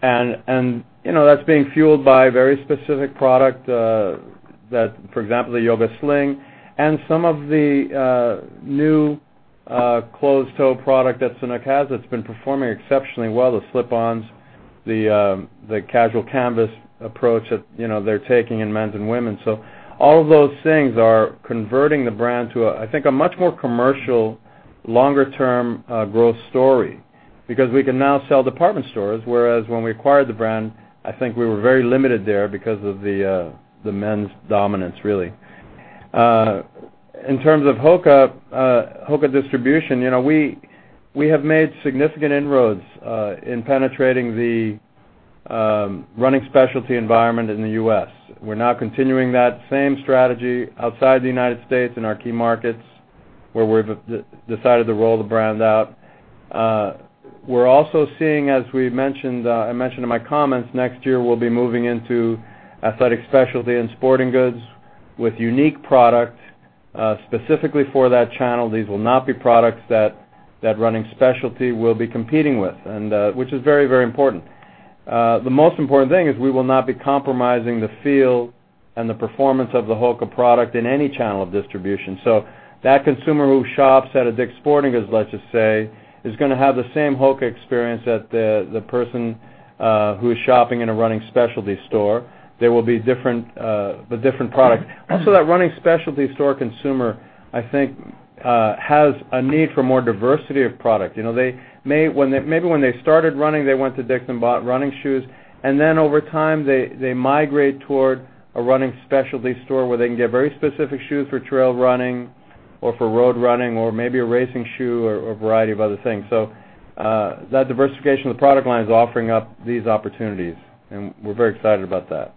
That's being fueled by a very specific product that, for example, the Yoga Sling and some of the new closed-toe product that Sanuk has that's been performing exceptionally well, the slip-ons, the casual canvas approach that they're taking in men's and women's. All of those things are converting the brand to, I think, a much more commercial, longer-term growth story because we can now sell department stores, whereas when we acquired the brand, I think we were very limited there because of the men's dominance, really. In terms of HOKA distribution, we have made significant inroads in penetrating the running specialty environment in the U.S. We're now continuing that same strategy outside the United States in our key markets where we've decided to roll the brand out. We're also seeing, as I mentioned in my comments, next year, we'll be moving into athletic specialty and sporting goods with unique product specifically for that channel. These will not be products that running specialty will be competing with, which is very important. The most important thing is we will not be compromising the feel and the performance of the HOKA product in any channel of distribution. That consumer who shops at a Dick's Sporting Goods, let's just say, is going to have the same HOKA experience that the person who is shopping in a running specialty store. They will be the different product. Also, that running specialty store consumer, I think, has a need for more diversity of product. Maybe when they started running, they went to Dick's and bought running shoes, and then over time, they migrate toward a running specialty store where they can get very specific shoes for trail running or for road running or maybe a racing shoe or a variety of other things. That diversification of the product line is offering up these opportunities, and we're very excited about that.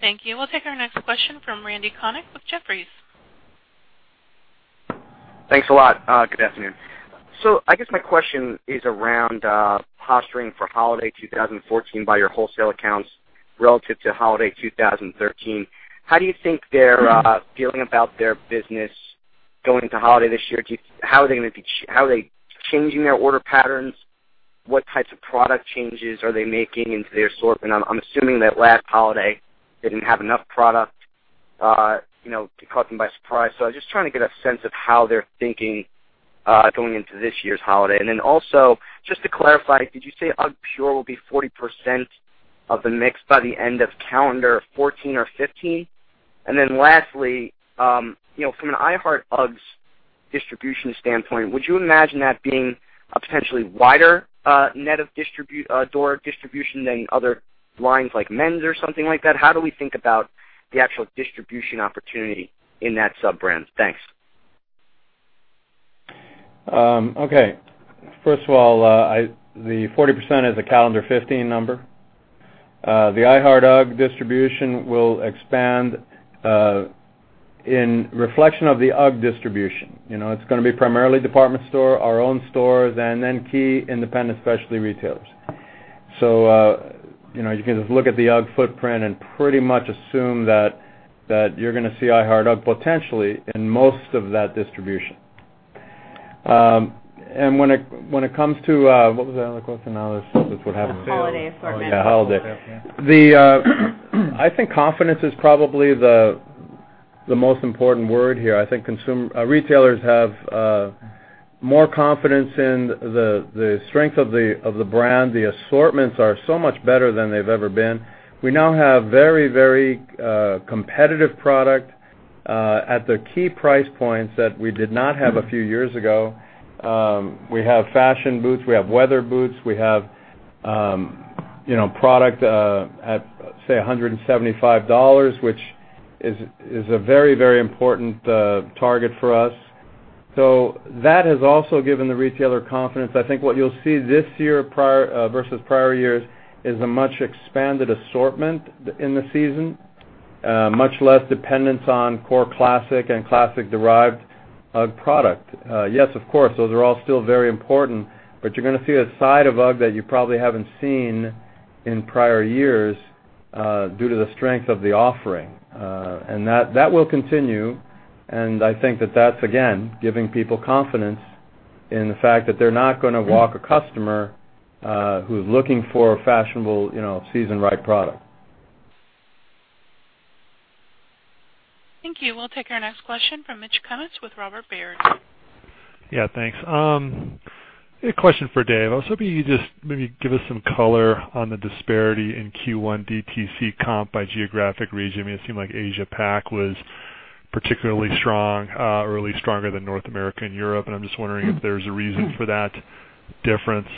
Thank you. We'll take our next question from Randy Konik with Jefferies. Thanks a lot. Good afternoon. I guess my question is around posturing for holiday 2014 by your wholesale accounts relative to holiday 2013. How do you think they're feeling about their business going into holiday this year? Are they changing their order patterns? What types of product changes are they making into their assortment? I'm assuming that last holiday they didn't have enough product to caught them by surprise. I'm just trying to get a sense of how they're thinking, going into this year's holiday. Also, just to clarify, did you say UGGpure will be 40% of the mix by the end of calendar 2014 or 2015? Lastly, from an I Heart UGG distribution standpoint, would you imagine that being a potentially wider net of door distribution than other lines, like men's or something like that? How do we think about the actual distribution opportunity in that sub-brand? Thanks. Okay. First of all, the 40% is a calendar 2015 number. The I Heart Ugg distribution will expand in reflection of the UGG distribution. It's going to be primarily department store, our own stores, and then key independent specialty retailers. You can just look at the UGG footprint and pretty much assume that you're going to see I Heart Ugg potentially in most of that distribution. When it comes to What was that other question? Now there's what have you. The holiday assortment. Yeah, holiday. I think confidence is probably the most important word here. I think retailers have more confidence in the strength of the brand. The assortments are so much better than they've ever been. We now have very competitive product, at the key price points that we did not have a few years ago. We have fashion boots. We have weather boots. We have product at, say, $175, which is a very important target for us. That has also given the retailer confidence. I think what you'll see this year versus prior years is a much expanded assortment in the season, much less dependence on core classic and classic-derived UGG product. Yes, of course, those are all still very important, you're going to see a side of UGG that you probably haven't seen in prior years, due to the strength of the offering. That will continue. I think that's, again, giving people confidence in the fact that they're not going to walk a customer who's looking for a fashionable, season-right product. Thank you. We'll take our next question from Mitch Kummetz with Robert Baird. Yeah, thanks. A question for Dave. I was hoping you could just maybe give us some color on the disparity in Q1 DTC comp by geographic region. It seemed like Asia Pac was particularly strong, or at least stronger than North America and Europe. I'm just wondering if there's a reason for that difference.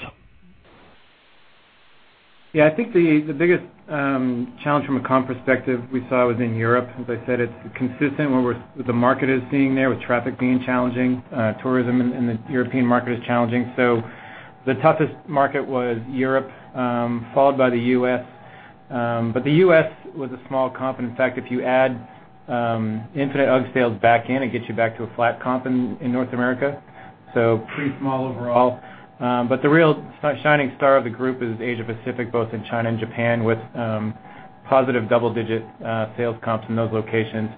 Yeah, I think the biggest challenge from a comp perspective we saw was in Europe. As I said, it's consistent with what the market is seeing there, with traffic being challenging, tourism in the European market is challenging. The toughest market was Europe, followed by the U.S. The U.S. was a small comp. In fact, if you add Infinite UGG sales back in, it gets you back to a flat comp in North America. Pretty small overall. The real shining star of the group is Asia Pacific, both in China and Japan, with positive double-digit sales comps in those locations.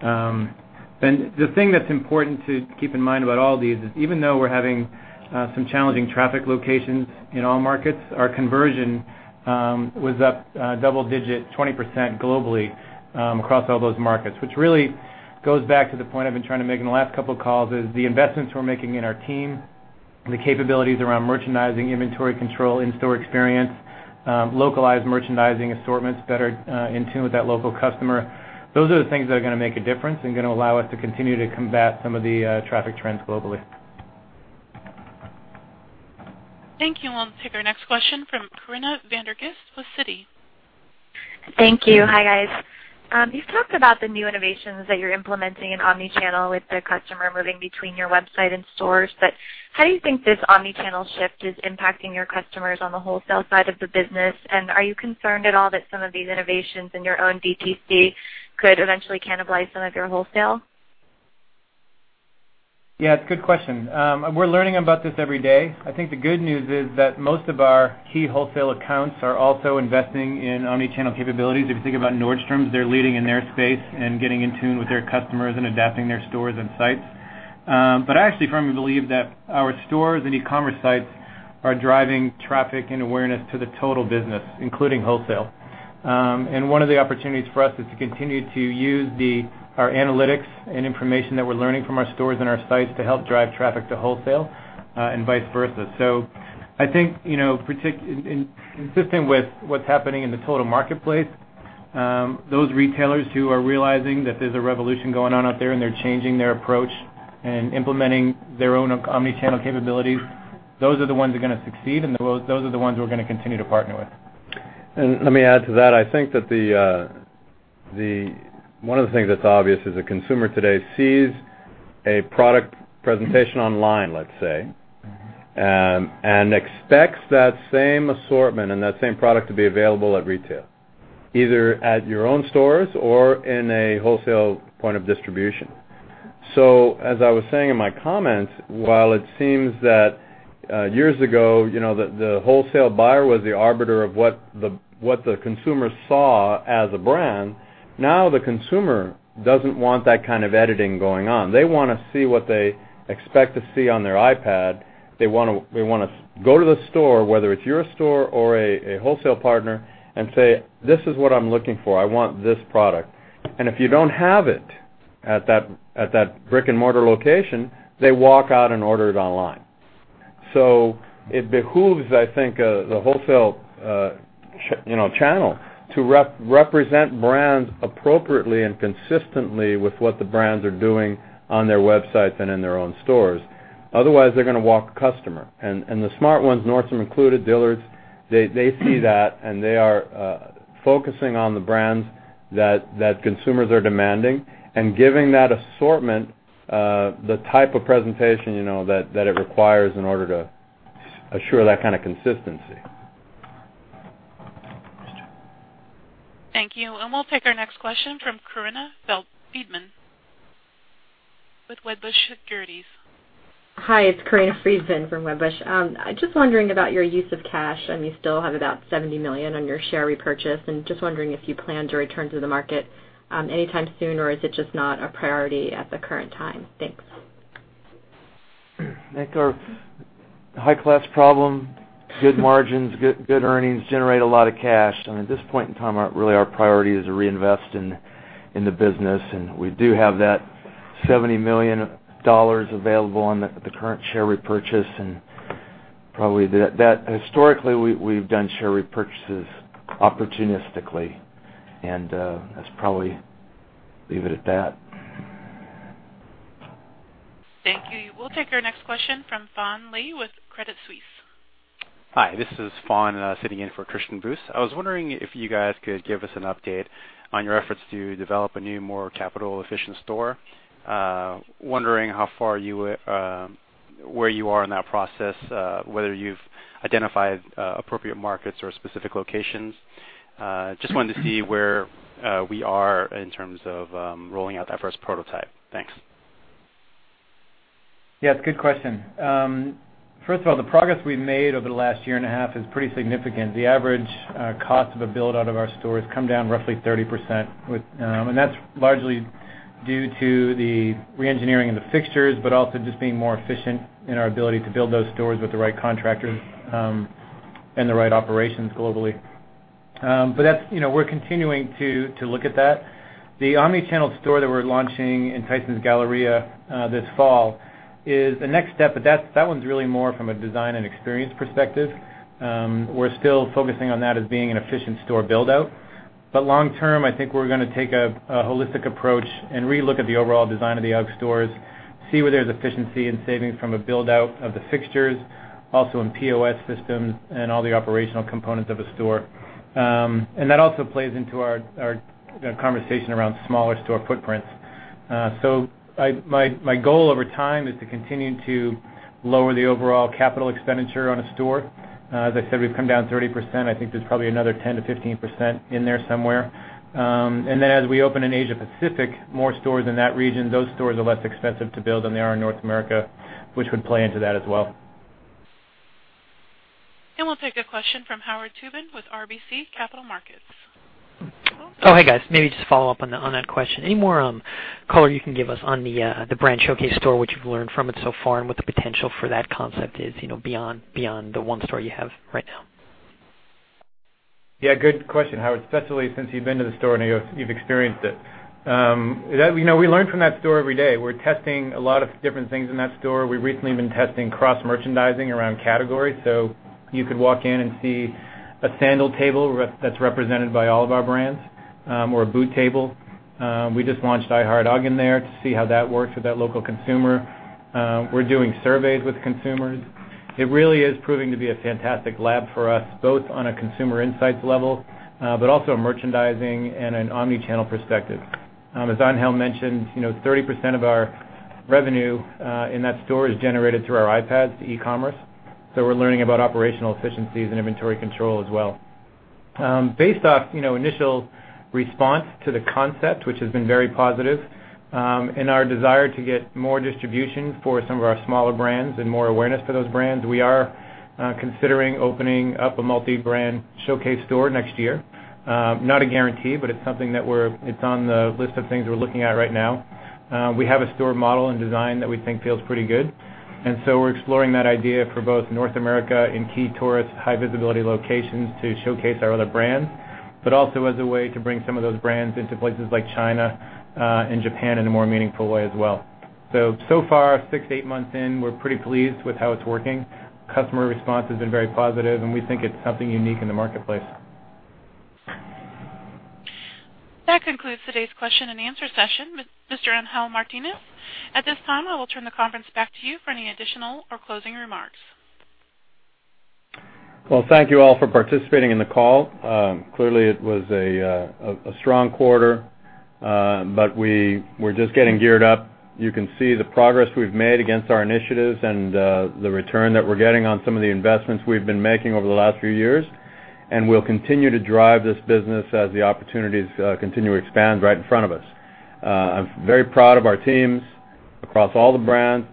The thing that's important to keep in mind about all of these is even though we're having some challenging traffic locations in all markets, our conversion was up double-digit 20% globally across all those markets, which really goes back to the point I've been trying to make in the last couple of calls, is the investments we're making in our team, the capabilities around merchandising, inventory control, in-store experience, localized merchandising assortments that are in tune with that local customer. Those are the things that are going to make a difference and going to allow us to continue to combat some of the traffic trends globally. Thank you. We'll take our next question from Corinna van der Ghinst with Citi. Thank you. Hi, guys. You've talked about the new innovations that you're implementing in omni-channel with the customer moving between your website and stores, how do you think this omni-channel shift is impacting your customers on the wholesale side of the business? Are you concerned at all that some of these innovations in your own DTC could eventually cannibalize some of your wholesale? Yeah, it's a good question. We're learning about this every day. I think the good news is that most of our key wholesale accounts are also investing in omni-channel capabilities. If you think about Nordstrom, they're leading in their space and getting in tune with their customers and adapting their stores and sites. I actually firmly believe that our stores and e-commerce sites are driving traffic and awareness to the total business, including wholesale. One of the opportunities for us is to continue to use our analytics and information that we're learning from our stores and our sites to help drive traffic to wholesale, and vice versa. I think, consistent with what's happening in the total marketplace, those retailers who are realizing that there's a revolution going on out there and they're changing their approach and implementing their own omni-channel capabilities, those are the ones who are going to succeed, and those are the ones we're going to continue to partner with. Let me add to that. I think that one of the things that's obvious is a consumer today sees a product presentation online, let's say, expects that same assortment and that same product to be available at retail, either at your own stores or in a wholesale point of distribution. As I was saying in my comments, while it seems that years ago, the wholesale buyer was the arbiter of what the consumer saw as a brand, now the consumer doesn't want that kind of editing going on. They want to see what they expect to see on their iPad. They want to go to the store, whether it's your store or a wholesale partner, and say, "This is what I'm looking for. I want this product." If you don't have it at that brick-and-mortar location, they walk out and order it online. It behooves, I think, the wholesale channel to represent brands appropriately and consistently with what the brands are doing on their websites and in their own stores. Otherwise, they're going to walk the customer. The smart ones, Nordstrom included, Dillard's, they see that, and they are focusing on the brands that consumers are demanding and giving that assortment the type of presentation that it requires in order to assure that kind of consistency. Thank you. We'll take our next question from Corinna Freedman with Wedbush Securities. Hi, it's Corinna Freedman from Wedbush. I'm just wondering about your use of cash. You still have about $70 million on your share repurchase, and just wondering if you plan to return to the market anytime soon, or is it just not a priority at the current time? Thanks. I think our high-class problem, good margins, good earnings, generate a lot of cash. At this point in time, really our priority is to reinvest in the business. We do have that $70 million available on the current share repurchase. Historically, we've done share repurchases opportunistically, and let's probably leave it at that. Thank you. We'll take our next question from Fawn Lee with Credit Suisse. Hi, this is Fawn sitting in for Christian Buss. I was wondering if you guys could give us an update on your efforts to develop a new, more capital-efficient store, wondering where you are in that process, whether you've identified appropriate markets or specific locations. I just wanted to see where we are in terms of rolling out that first prototype. Thanks. Yes, good question. First of all, the progress we've made over the last year and a half is pretty significant. The average cost of a build-out of our stores come down roughly 30%, and that's largely due to the re-engineering of the fixtures, but also just being more efficient in our ability to build those stores with the right contractors and the right operations globally. We're continuing to look at that. The omni-channel store that we're launching in Tysons Galleria this fall is the next step, but that one's really more from a design and experience perspective. We're still focusing on that as being an efficient store build-out. Long term, I think we're going to take a holistic approach and re-look at the overall design of the UGG stores, see where there's efficiency and savings from a build-out of the fixtures, also in POS systems, and all the operational components of a store. That also plays into our conversation around smaller store footprints. My goal over time is to continue to lower the overall capital expenditure on a store. As I said, we've come down 30%. I think there's probably another 10%-15% in there somewhere. As we open in Asia Pacific, more stores in that region, those stores are less expensive to build than they are in North America, which would play into that as well. We'll take a question from Howard Tubin with RBC Capital Markets. Oh, hey, guys. Maybe just a follow-up on that question. Any more color you can give us on the brand showcase store, what you've learned from it so far, and what the potential for that concept is beyond the one store you have right now? Good question, Howard, especially since you've been to the store and you've experienced it. We learn from that store every day. We're testing a lot of different things in that store. We've recently been testing cross-merchandising around categories. You could walk in and see a sandal table that's represented by all of our brands or a boot table. We just launched I Heart UGG in there to see how that works with that local consumer. We're doing surveys with consumers. It really is proving to be a fantastic lab for us, both on a consumer insights level, but also a merchandising and an omni-channel perspective. As Angel mentioned, 30% of our revenue in that store is generated through our iPads to e-commerce. We're learning about operational efficiencies and inventory control as well. Based off initial response to the concept, which has been very positive, and our desire to get more distribution for some of our smaller brands and more awareness for those brands, we are considering opening up a multi-brand showcase store next year. Not a guarantee, but it's something that it's on the list of things we're looking at right now. We have a store model and design that we think feels pretty good. We're exploring that idea for both North America in key tourist, high-visibility locations to showcase our other brands, but also as a way to bring some of those brands into places like China and Japan in a more meaningful way as well. So far, six to eight months in, we're pretty pleased with how it's working. Customer response has been very positive, and we think it's something unique in the marketplace. That concludes today's question and answer session. Mr. Angel Martinez, at this time, I will turn the conference back to you for any additional or closing remarks. Well, thank you all for participating in the call. Clearly, it was a strong quarter. We're just getting geared up. You can see the progress we've made against our initiatives and the return that we're getting on some of the investments we've been making over the last few years, we'll continue to drive this business as the opportunities continue to expand right in front of us. I'm very proud of our teams across all the brands.